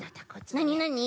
なになに？